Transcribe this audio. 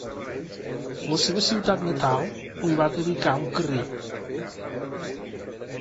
La seva ciutat natal li va dedicar un carrer.